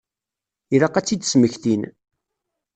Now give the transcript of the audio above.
Ilaq ad tt-id-smektin.